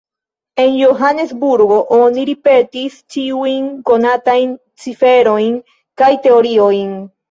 En Johanesburgo oni ripetis ĉiujn konatajn ciferojn kaj teoriojn.